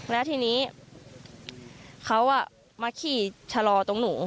แล้วทีนี้เขามาขี่ชะลอตรงหนู